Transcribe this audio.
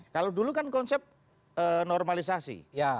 kalau dulu kan konsep normalisasi